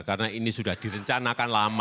karena ini sudah direncanakan lama